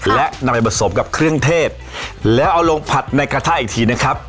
และนำไปผสมกับเครื่องเทศแล้วเอาลงผัดในกระทะอีกทีนะครับ